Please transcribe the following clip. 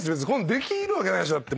できるわけないでしょ。